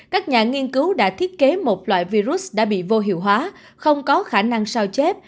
các nhà thiết kế một loại virus đã bị vô hiệu hóa không có khả năng sao chép